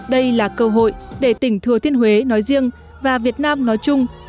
đây là cơ hội để tỉnh thừa thiên huế nói riêng và việt nam nói chung